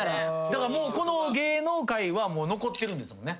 だからこの芸能界はもう残ってるんですもんね。